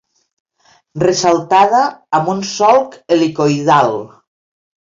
Ressaltada amb un solc helicoïdal.